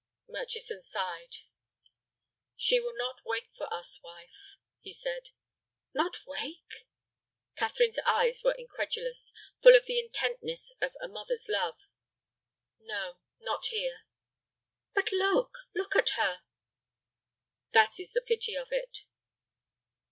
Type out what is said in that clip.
Murchison sighed. "She will not wake for us, wife," he said. "Not wake!" Catherine's eyes were incredulous, full of the intenseness of a mother's love. "No, not here." "But look—look at her!" "That is the pity of it."